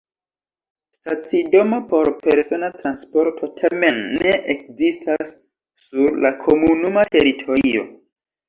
Stacidomo por persona transporto tamen ne ekzistas sur la komunuma teritorio.